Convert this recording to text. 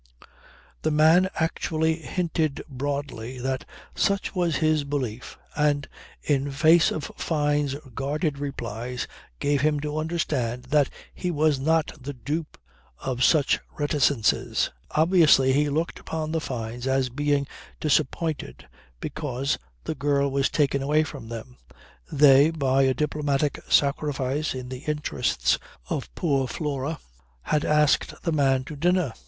The man actually hinted broadly that such was his belief and in face of Fyne's guarded replies gave him to understand that he was not the dupe of such reticences. Obviously he looked upon the Fynes as being disappointed because the girl was taken away from them. They, by a diplomatic sacrifice in the interests of poor Flora, had asked the man to dinner.